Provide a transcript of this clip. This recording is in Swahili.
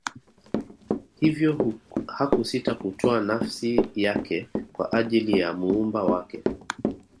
hivyo hakusita kutoa nafsi yake kwa ajili ya muumba wake